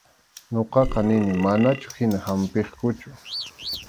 Ñuqaqa nini manachu hina hampiqkuchu.